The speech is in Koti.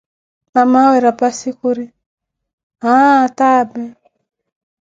Mamawe rapassi khuri aaah tápeh.